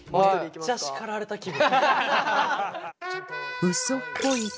めっちゃ叱られた気分。